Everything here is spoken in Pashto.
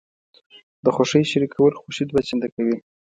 د خوښیو شریکول خوښي دوه چنده کوي.